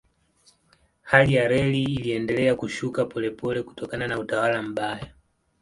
Hali ya reli iliendelea kushuka polepole kutokana na utawala mbaya.